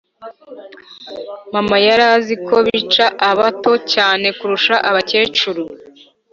mama yari aziko bica abato cyane kurusha abakecuru